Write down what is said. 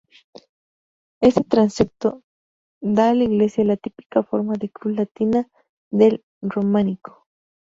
Este transepto da a la iglesia la típica forma de cruz latina del románico.